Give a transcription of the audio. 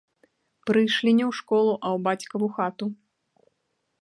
Прыйшлі не ў школу, а ў бацькаву хату.